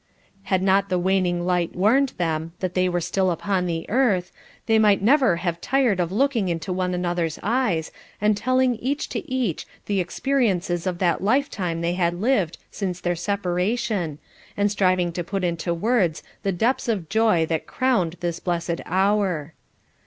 Had not the waning light warned them that they were still upon the earth, they might never have tired of looking into one another's eyes, and telling each to each the experiences of that lifetime they had lived since their separation, and striving to put into words the depths of joy that crowned this blessed hour.